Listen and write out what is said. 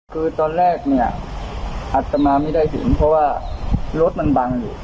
คือตอนแรกเนี่ยอัตมาไม่ได้เห็นเพราะว่ารถมันบังอยู่